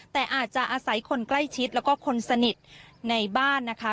แต่อาจจะอาศัยคนใกล้ชิดแล้วก็คนสนิทในบ้านนะคะ